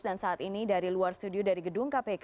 dan saat ini dari luar studio dari gedung kpk